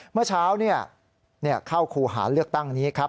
เมื่อเช้าเข้าครูหาเลือกตั้งนี้ครับ